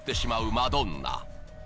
マドンナ